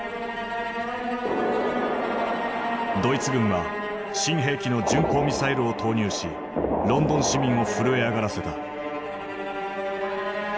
ドイツ軍は新兵器の巡航ミサイルを投入しロンドン市民を震え上がらせた。